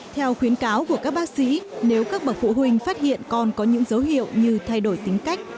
theo khuyến cáo của các bác sĩ nếu các bậc phụ huynh phát hiện con có những dấu hiệu như thay đổi tính cách